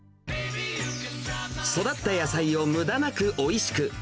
育った野菜をむだなくおいしく。